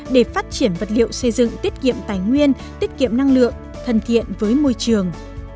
để phát triển vật liệu xây dựng tiết kiệm tài nguyên tiết kiệm năng lượng thân thiện với môi trường